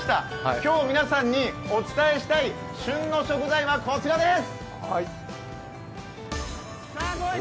今日、皆さんにお伝えしたい旬の食材はこちらです。